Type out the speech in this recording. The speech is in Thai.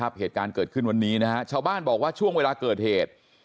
แล้วนะครับเหตุการเกิดขึ้นวันนี้นะชาวบ้านบอกว่าช่วงเวลาเกิดเหตุ